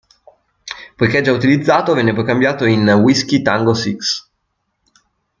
Poiché già utilizzato, venne poi cambiato in "Whiskey Tango Six".